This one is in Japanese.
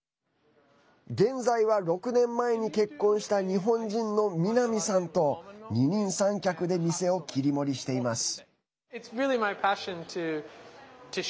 現在は６年前に結婚した日本人の、みなみさんと二人三脚で店を切り盛りしています。